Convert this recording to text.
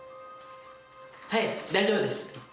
はい大丈夫です。